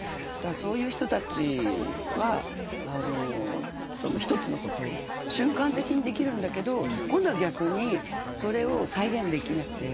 そういう人たちは１つのことを瞬間的にできるけど逆に、それを再現できなくて。